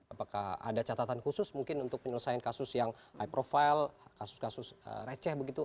apakah ada catatan khusus mungkin untuk penyelesaian kasus yang high profile kasus kasus receh begitu